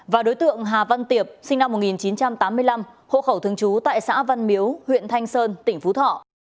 và đối tượng hà văn tiệp sinh năm một nghìn chín trăm tám mươi năm hộ khẩu thường trú tại xã văn miếu huyện thanh sơn tỉnh phú thọ